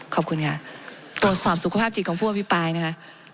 ขอบคุณค่ะตรวจสอบสุขภาพจิตของผู้อภิปรายนะคะ